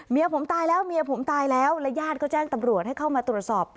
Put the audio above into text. เมียผมตายแล้วเมียผมตายแล้วและญาติก็แจ้งตำรวจให้เข้ามาตรวจสอบ